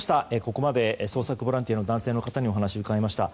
ここまで捜索ボランティアの男性の方にお話を伺いました。